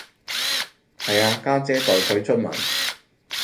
係啊，家姐代佢出文